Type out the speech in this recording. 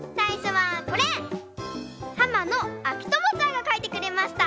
はまのあきともちゃんがかいてくれました。